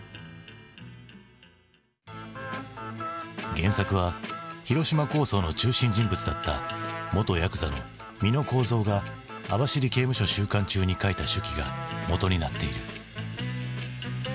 原作は広島抗争の中心人物だった元やくざの美能幸三が網走刑務所収監中に書いた手記がもとになっている。